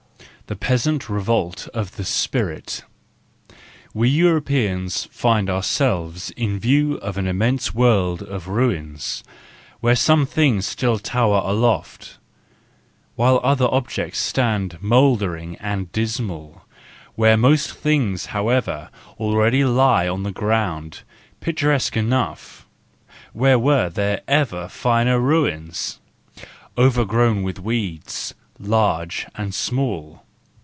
The Peasant Revolt of the Spirit —We Europeans find ourselves in view of an immense world of ruins, where some things still tower aloft, while other objects stand mouldering and dismal, where most things however already lie on the ground, pic¬ turesque enough—where were there ever finer ruins?—overgrown with weeds, large and small.